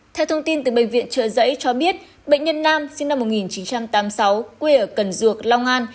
theo thông tin từ bệnh viện trợ giấy cho biết bệnh nhân nam sinh năm một nghìn chín trăm tám mươi sáu quê ở cần duộc long an